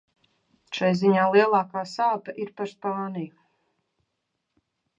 Šai ziņā lielākā sāpe ir par Spāniju.